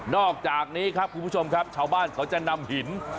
อกจากนี้ครับคุณผู้ชมครับชาวบ้านเขาจะนำหิน